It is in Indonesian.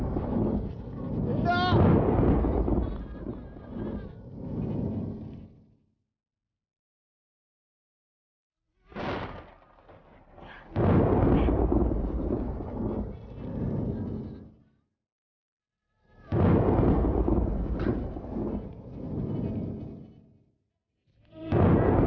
dia bilang dia butuh sendiri